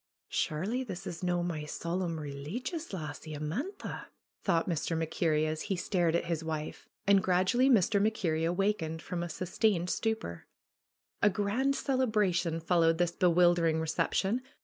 Surely this is no' my solemn, releegious lassie, Amantha !" thought Mr. MacKerrie as he stared at his wife. And gradually Mr. MacKerrie awakened from a sus tained stupor. ANDY'S VISION 37 A grand celebration followed this bewildering recep tion.